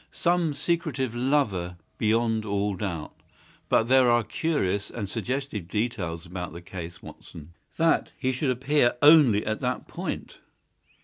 Some secretive lover, beyond all doubt. But there are curious and suggestive details about the case, Watson." "That he should appear only at that point?"